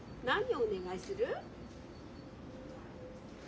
何お願いする？